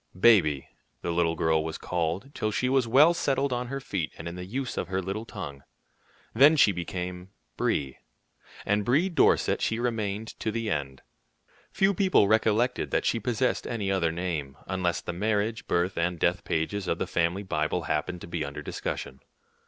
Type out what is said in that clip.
"Baby," the little girl was called till she was well settled on her feet and in the use of her little tongue. Then she became "Brie," and Brie Dorset she remained to the end. Few people recollected that she possessed any other name, unless the marriage, birth, and death pages of the family Bible happened to be under discussion.